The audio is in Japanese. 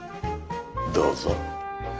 どうぞ。